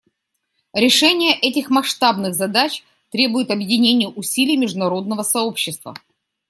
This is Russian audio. Решение этих масштабных задач требует объединения усилий международного сообщества.